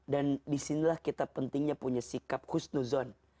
dan disinilah kita pentingnya punya sikap husnuzon